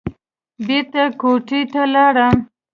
بېرته کوټې ته لاړم.